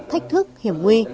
thách thức hiểm nguy